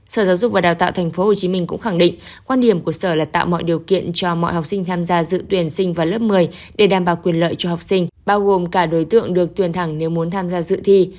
sở giáo dục và đào tạo tp hcm cũng khẳng định quan điểm của sở là tạo mọi điều kiện cho mọi học sinh tham gia dự tuyển sinh vào lớp một mươi để đảm bảo quyền lợi cho học sinh bao gồm cả đối tượng được tuyển thẳng nếu muốn tham gia dự thi